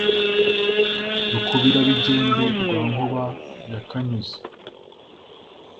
rukubira-bigembe rwa nkuba ya kanyuza,